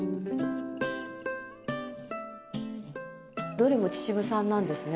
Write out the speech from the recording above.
どれも秩父産なんですね。